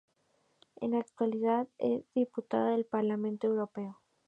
En la actualidad es diputado del Parlamento Europeo.